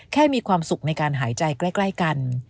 มีความสุขในการหายใจใกล้กัน